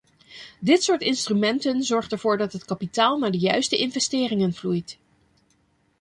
Dit soort instrumenten zorgt ervoor dat het kapitaal naar de juiste investeringen vloeit.